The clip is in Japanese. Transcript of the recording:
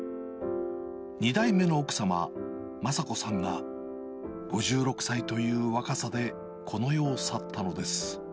２代目の奥様、正子さんが５６歳という若さでこの世を去ったのです。